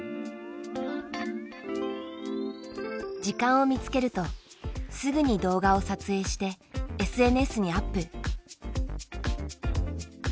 時間を見つけるとすぐに動画を撮影してＳＮＳにアップ。